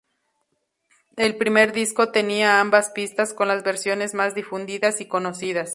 El primer disco tenía ambas pistas con las versiones más difundidas y conocidas.